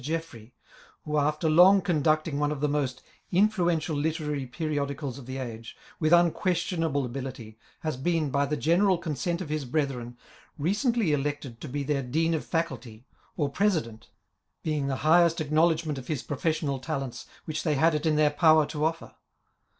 leffrey, who, after long conducting one of the most influential literary periodicals of the age, with unquestionable abi lity, has been, by the general consent of his brethren, recently elected to be their Dean of Faculty, or Presi dent, — ^being the highest acknowledgment of his profes sional talents which they had it in their power to offer.